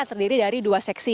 terdiri dari dua seksi